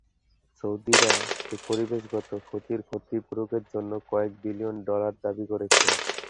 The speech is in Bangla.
সৌদিরা এই পরিবেশগত ক্ষতির ক্ষতিপূরণের জন্য কয়েক বিলিয়ন ডলার দাবি করেছে।